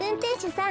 さん